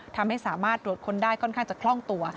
ทำให้สามารถตรวจค้นได้ค่อนข้างจะคล่องตัว